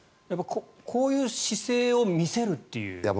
こういう姿勢を見せるという。